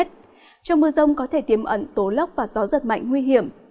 trong mưa rông có thể tiềm ẩn tố lốc và gió giật mạnh nguy hiểm